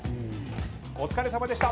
お疲れさまでした。